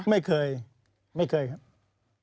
ไม่เคยไม่เคยครับ